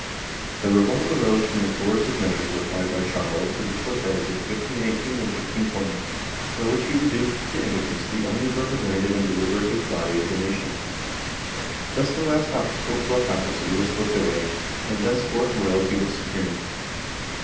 The revolt arose from the coercive measures applied by Charles to the Cortes of 1518 and 1520, by which he reduced to impotence the only representative and deliberative body of the nation. Thus the last obstacle to autocracy was swept away, and thenceforth royalty was supreme.